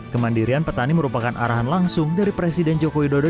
kemandirian petani merupakan arahan langsung dari presiden joko widodo